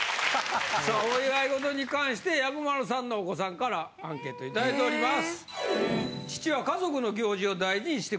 さあお祝いごとに関して薬丸さんのお子さんからアンケートいただいております。